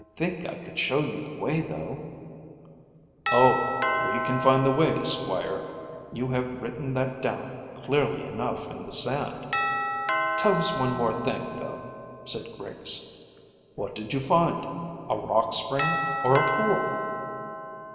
I think I could show you the way, though." "Oh, we can find the way, squire; you have written that down clearly enough in the sand. Tell us one thing more, though," said Griggs. "What did you find a rock spring or a pool?"